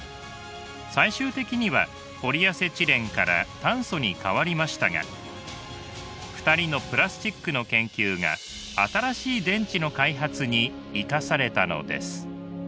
最終的にはポリアセチレンから炭素にかわりましたが２人のプラスチックの研究が新しい電池の開発に生かされたのです。